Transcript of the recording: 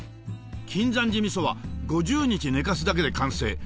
金山寺みそは５０日寝かすだけで完成。